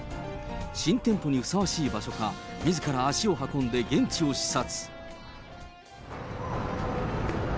新店舗にふさわしい場所かみずから足を運んで現地を視察。